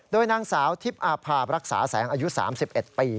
โดยนางสาวทิพย์อาภาพรักษาแสงอายุ๓๑ปี